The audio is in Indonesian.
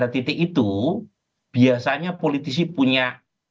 nah pada titik itu biasanya politisi punya mekanisme yang menarik dan yang menarik